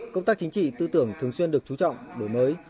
công tác chính trị tư tưởng thường xuyên được chú trọng đổi mới